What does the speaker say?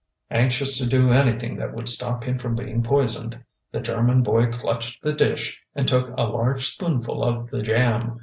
Anxious to do anything that would stop him from being poisoned, the German boy clutched the dish and took a large spoonful of the jam.